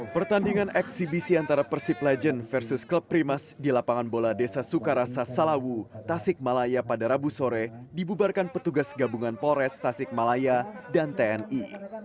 pertandingan eksibisi antara persib legend versus klub primas di lapangan bola desa sukarasa salawu tasik malaya pada rabu sore dibubarkan petugas gabungan polres tasik malaya dan tni